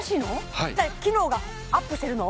はい機能がアップしてるの？